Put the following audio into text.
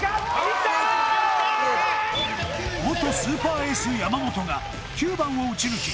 元スーパーエース山本が９番を打ち抜き